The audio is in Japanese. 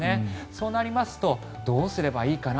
そうなりますとどうすればいいかな。